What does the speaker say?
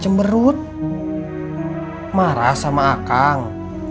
ada apa sih neng